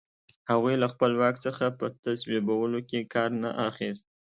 هغوی له خپل واک څخه په تصویبولو کې کار نه اخیست.